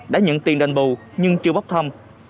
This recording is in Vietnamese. đã nhận tiền đền bù nhưng chưa bóc thăm